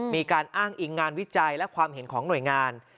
มีการอ้างอิงงานวิจัยและความเห็นของหน่วยงาน